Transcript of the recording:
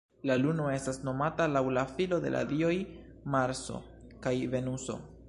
La luno estas nomata laŭ la filo de la dioj Marso kaj Venuso.